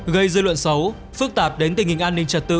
gây dư luận xấu phức tạp đến tình hình an ninh trật tự